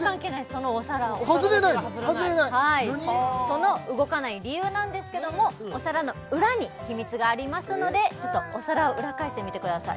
そのお皿その動かない理由なんですけどもお皿の裏に秘密がありますのでちょっとお皿を裏っ返してみてください